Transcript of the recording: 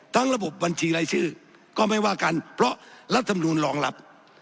ระบบบัญชีรายชื่อก็ไม่ว่ากันเพราะรัฐธรรมนูลรองรับ